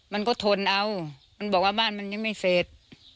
มันก็ทนเอามันบอกว่าบ้านมันยังไม่เสร็จ